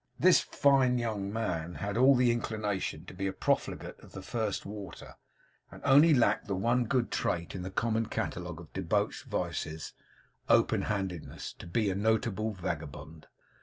This fine young man had all the inclination to be a profligate of the first water, and only lacked the one good trait in the common catalogue of debauched vices open handedness to be a notable vagabond.